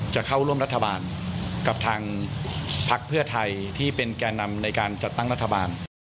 จะเข้าร่วมรัฐบาลกับทางพักเพื่อไทยที่เป็นแก่นำในการจัดตั้งรัฐบาล